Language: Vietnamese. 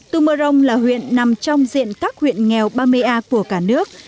tù mơ rồng là huyện nằm trong diện các huyện nghèo ba mươi a của cả nước